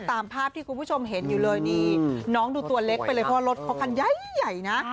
ตามภาพที่คุณผู้ชมเห็นอยู่เลยนี่น้องดูตัวเล็กไปเลยเพราะรถเขาคันใหญ่นะ